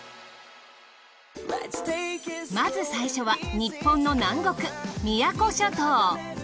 まず最初は日本の南国宮古諸島。